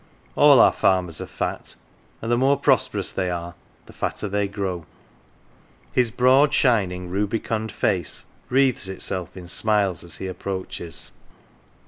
All our farmers are fat, and the more prosperous they are, the fatter they grow. His broad, shining, rubicund face wreathes itself in smiles as he approaches.